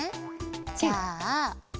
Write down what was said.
じゃあ。